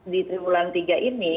di tribulan tiga ini